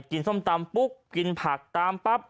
ส้มตำปุ๊บกินผักตามปั๊บ